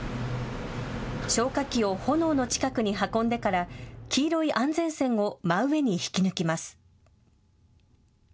消火器を炎の近くに運んでから黄色い安全栓を真上に引き抜きます。